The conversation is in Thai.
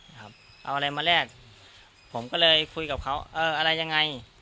ครับเอาอะไรมาแลกผมก็เลยคุยกับเขาเอออะไรยังไง